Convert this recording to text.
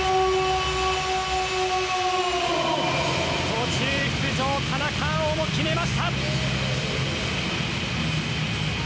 途中出場の田中碧も決めました！